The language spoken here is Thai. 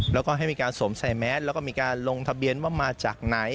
แล้วก็ให้มีการสวมใส่แมสแล้วก็มีการลงทะเบียนว่ามาจากไหน